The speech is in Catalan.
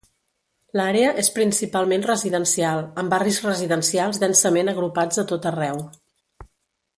L"àrea és principalment residencial, amb barris residencials densament agrupats a tot arreu.